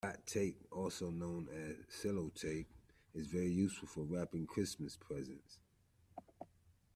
Scotch tape, also known as Sellotape, is very useful for wrapping Christmas presents